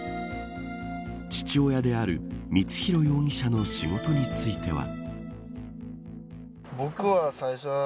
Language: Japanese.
父親である光弘容疑者の仕事については。